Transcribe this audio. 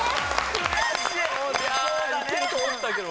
いけると思ったけど。